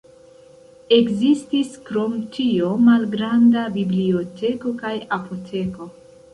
Ekzistis krom tio malgranda biblioteko kaj apoteko.